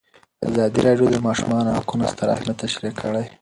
ازادي راډیو د د ماشومانو حقونه ستر اهميت تشریح کړی.